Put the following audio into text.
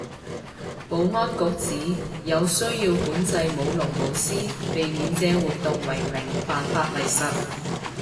保安局指有需要管制舞龍舞獅，避免借活動為名犯法為實